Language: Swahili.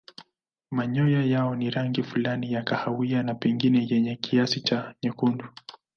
Manyoya yao ni rangi fulani ya kahawia na pengine yenye kiasi cha nyekundu.